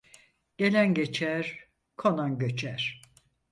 Gelen geçer, konan göçer.